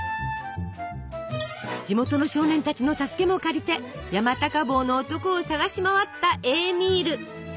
地元の少年たちの助けも借りて山高帽の男を捜し回ったエーミール。